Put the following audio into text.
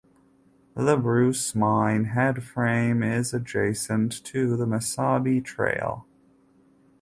The Bruce Mine Headframe is adjacent to the Mesabi Trail.